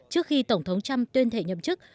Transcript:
trước khi tổng thống trump tuyên thệ nhậm chức